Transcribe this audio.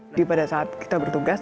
jadi pada saat kita bertugas